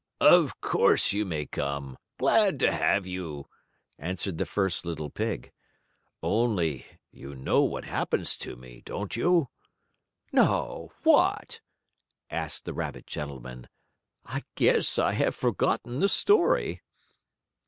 "Of course you may come glad to have you," answered the first little pig. "Only you know what happens to me; don't you?" "No! What?" asked the rabbit gentleman. "I guess I have forgotten the story."